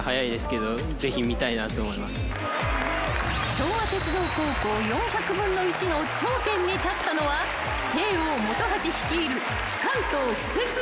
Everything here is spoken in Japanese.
［昭和鉄道高校４００分の１の頂点に立ったのは帝王本橋率いる関東私鉄連合でした］